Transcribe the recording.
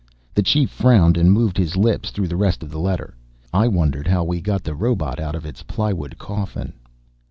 The Chief frowned and moved his lips through the rest of the letter. I wondered how we got the robot out of its plywood coffin.